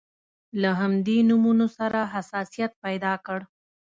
له همدې نومونو سره حساسیت پیدا کړ.